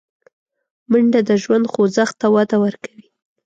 منډه د ژوند خوځښت ته وده ورکوي